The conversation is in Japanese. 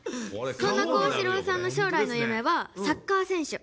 そんな皓志郎さんの将来の夢はサッカー選手。